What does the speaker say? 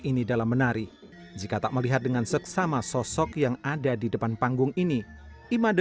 ini dalam menari jika tak melihat dengan seksama sosok yang ada di depan panggung ini imada